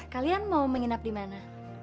kalian mau menginap di mana